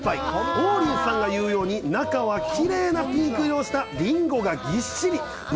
王林さんが言うように、中はきれいなピンク色をしたりんごがぎっしり。